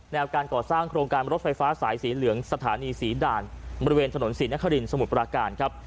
การก่อสร้างโครงการรถไฟฟ้าสายสีเหลืองสถานีศรีด่านบริเวณถนนศรีนครินสมุทรปราการครับ